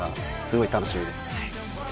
すごい楽しみです。